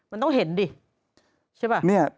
มันต้องเห็นดิ